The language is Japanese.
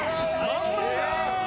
まんまじゃん！